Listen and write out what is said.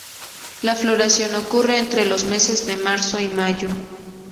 La floración ocurre entre los meses de marzo y mayo.